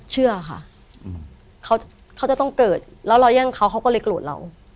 เชื่อค่ะเขาจะต้องเกิดแล้วเราแย่งเขาเขาก็เลยโกรธเรา